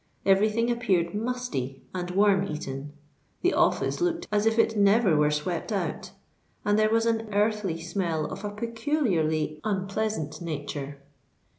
Every thing appeared musty and worm eaten;—the office looked as if it never were swept out;—and there was an earthly smell of a peculiarly unpleasant nature.